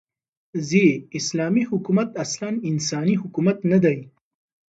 ز : اسلامې حكومت اصلاً انساني حكومت نه دى